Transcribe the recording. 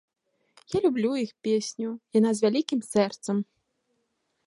Я люблю іх песню, яна з вялікім сэрцам.